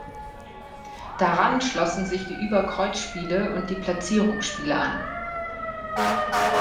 Daran schlossen sich die Überkreuz-Spiele und die Platzierungsspiele an.